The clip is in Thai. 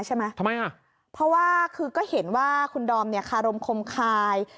ใช่ไหมทำไมอ่ะเพราะว่าคือก็เห็นว่าคุณดอมเนี่ยคารมคมคาย